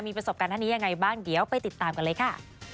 มีประสบการณ์ท่านนี้ยังไงบ้างเดี๋ยวไปติดตามกันเลยค่ะ